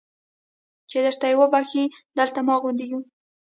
چې درته ویې بخښي دلته ما غوندې یو.